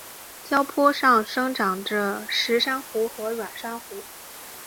礁坡上生长着石珊瑚和软珊瑚。